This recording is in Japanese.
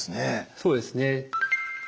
そうですね。